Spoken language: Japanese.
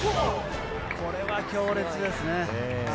これは強烈ですね。